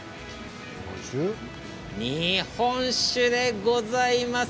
日本酒でございます。